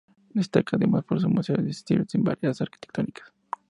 Destaca además por ser un museo accesible, sin barreras arquitectónicas.